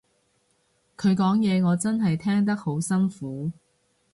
佢講嘢我真係聽得好辛苦